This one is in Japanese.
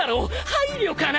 配慮かな？